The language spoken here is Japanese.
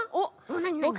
なになに？